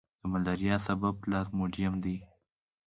د ملیریا سبب پلازموډیم دی.